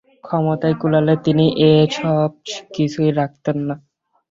ক্ষমতায় কুলালে তিনি এ- সব কিছুই রাখতেন না।